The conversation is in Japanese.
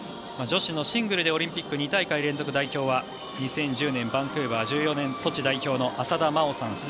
女子のシングルでオリンピック２大会連続代表は２０１０年バンクーバー２０１４年ソチ代表の浅田真央さん